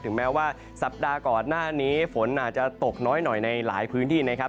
แม้ว่าสัปดาห์ก่อนหน้านี้ฝนอาจจะตกน้อยหน่อยในหลายพื้นที่นะครับ